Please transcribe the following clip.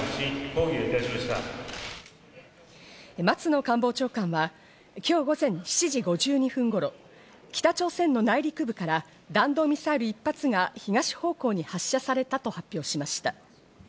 松野官房長官は今日午前７時５２分頃、北朝鮮の内陸部から弾道ミサイル１発が東方向に発射されたと発表しました。